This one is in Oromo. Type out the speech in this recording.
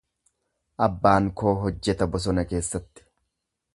Abbaan koo hojjeta bosona keessatti.